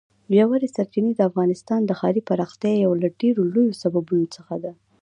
ژورې سرچینې د افغانستان د ښاري پراختیا یو له ډېرو لویو سببونو څخه ده.